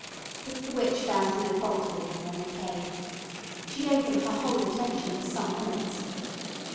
But the witch found no fault with them when they came. She gave them her whole attention for some minutes.